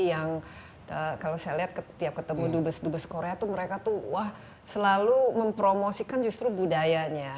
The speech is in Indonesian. yang kalau saya lihat tiap ketemu dubes dubes korea tuh mereka tuh wah selalu mempromosikan justru budayanya